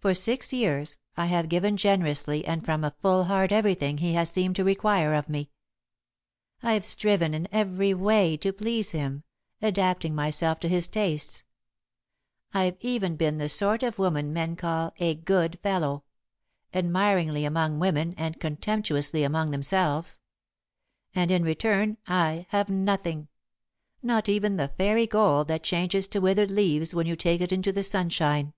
For six years, I have given generously and from a full heart everything he has seemed to require of me. "I've striven in every way to please him, adapting myself to his tastes. I've even been the sort of woman men call 'a good fellow,' admiringly among women and contemptuously among themselves. And, in return, I have nothing not even the fairy gold that changes to withered leaves when you take it into the sunshine."